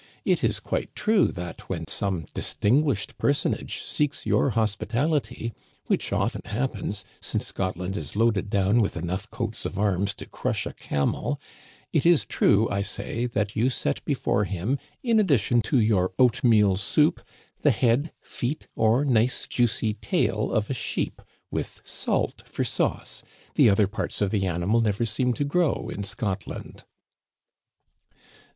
It is quite true that, when some distinguished personage seeks your hospitality — which often happens, since Scotland is loaded down with enough coats of arms to crush a camel — it is true I say, that you set before him, in addition to your oat meal soup, the head, feet, or nice, juicy tail of a sheep, Digitized by VjOOQIC A NIGHT WITH THE SOJ^CERERS. 33 with salt for sauce ; the other parts of the animal never seem to grow in Scotland."